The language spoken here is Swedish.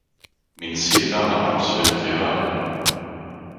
Min syrra har absolut gehör.